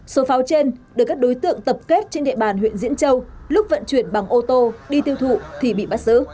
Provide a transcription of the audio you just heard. số pháo trên được các đối tượng tập kết trên địa bàn huyện diễn châu lúc vận chuyển bằng ô tô đi tiêu thụ thì bị bắt giữ